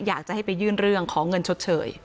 อยากจะให้ไปยื่นเรื่องขอเงินชดเชย